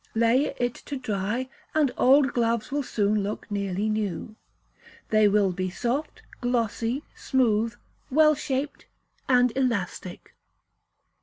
Lay it to dry; and old gloves will soon look nearly new. They will be soft, glossy, smooth, well shaped, and elastic.